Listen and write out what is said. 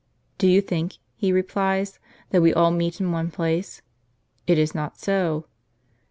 urri "Do you think," he replies, "that we all meet in one place ? It is not so."